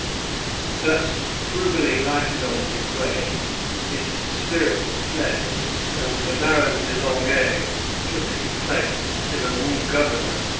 Thus frugally lighted on its way, his spirit fled; and the Baron de Longueuil took his place till a new governor should arrive.